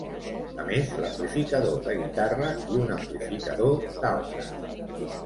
A més, l'amplificador de guitarra i un amplificador d'altres.